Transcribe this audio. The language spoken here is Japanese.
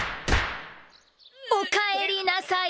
おかえりなさい！